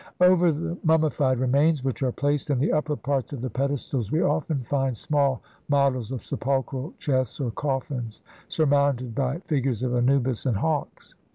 Over the mummi fied remains, which are placed in the upper parts of the pedestals, we often find small models of sepulchral chests or coffins surmounted by figures of Anubis and hawks.